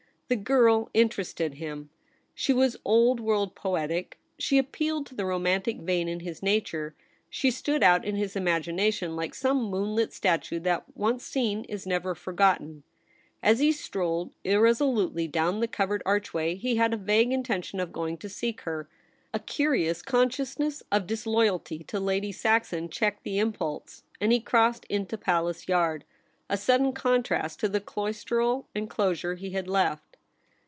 The girl interested him. She was old world, poetic. She appealed to the romantic vein in his nature. She stood out in his imagination like some moonlit statue that once seen is never forgotten. As he strolled irreso lutely down the covered archway, he had a vague intention of i^^oing to seek her. A curious consciousness of disloyalty to Lady Saxon checked the impulse, and he crossed into Palace Yard, a sudden contrast to the cloistral enclosure he had left.